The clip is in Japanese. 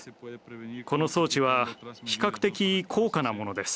この装置は比較的高価なものです。